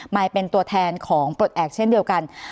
ยเป็นตัวแทนของปลดแอบเช่นเดียวกัน